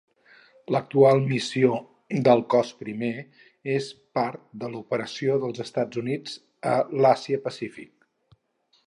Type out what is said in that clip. L'actual missió del Cos I és part de l'operació dels Estats Units a l'Àsia-Pacífic.